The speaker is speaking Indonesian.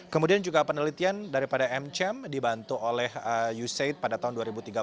kemudian juga penelitian daripada mcm dibantu oleh usaid pada tahun dua ribu tiga belas